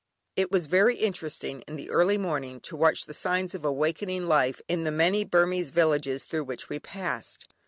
It was very interesting in the early morning to watch the signs of awakening life in the many Burmese villages through which we passed.